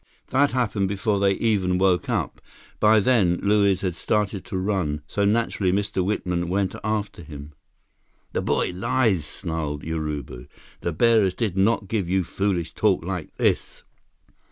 "That happened before they even woke up. By then, Luiz had started to run, so naturally Mr. Whitman went after him." "The boy lies," snarled Urubu. "The bearers did not give you foolish talk like this."